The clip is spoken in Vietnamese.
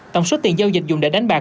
tổng số tiền giao dịch dùng để đánh bạc